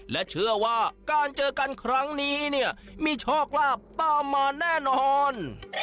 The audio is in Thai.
และเชื่อว่าการเจอกันครั้งนี้เนี่ยมีโชคลาภตามมาแน่นอน